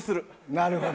なるほど。